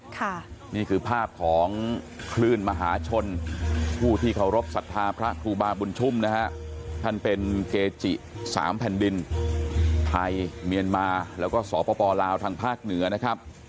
ค่ะนี่คือภาพของคลื่นมหาชนผู้ที่เคารพสัทธาพระครูบาบุญชุ่มนะฮะท่านเป็นเกจิสามแผ่นดินไทยเมียนมาแล้วก็สปลาวทางภาคเหนือนะครับ